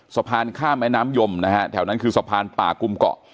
สะพานข้ามแม่น้ำยมนะฮะแถวนั้นคือสะพานป่ากุมเกาะ